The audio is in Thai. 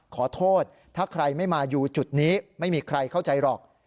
ขอโทษถ้าใครไม่มาอยู่จุดนี้ไม่มีใครเข้าใจหรอก